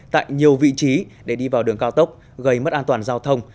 tại nhiều vị trí để đi vào đường cao tốc gây mất an toàn giao thông